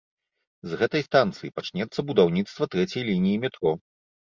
З гэтай станцыі пачнецца будаўніцтва трэцяй лініі метро.